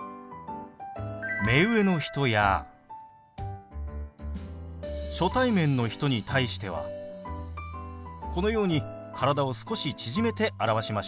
目上の人や初対面の人に対してはこのように体を少し縮めて表しましょう。